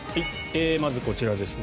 まず、こちらですね。